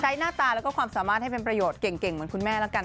หน้าตาแล้วก็ความสามารถให้เป็นประโยชน์เก่งเหมือนคุณแม่แล้วกัน